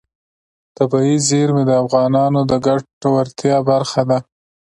طبیعي زیرمې د افغانانو د ګټورتیا برخه ده.